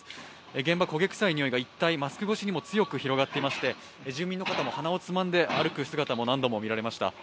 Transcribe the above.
現場、焦げ臭い匂いが一帯、マスク越しにも強く広がっていまして住民の方も鼻をつまんで歩く姿が何度もみられました。